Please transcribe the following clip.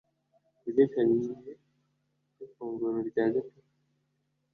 Ku byerekeranye nifunguro rya gatatu